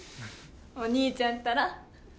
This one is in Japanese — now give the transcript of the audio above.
お兄ちゃんったら。